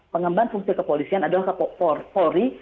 pengemban fungsi kepolisian adalah polri